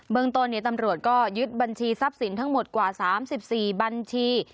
เมืองต้นตำรวจก็ยึดบัญชีทรัพย์สินทั้งหมดกว่า๓๔บัญชี